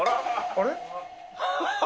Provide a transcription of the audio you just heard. あれ。